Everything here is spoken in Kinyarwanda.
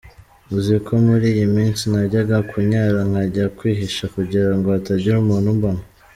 Uzi ko muri iyi minsi najyaga kunyara nkajya kwihisha kugira ngo hatagira umuntu umbona?”.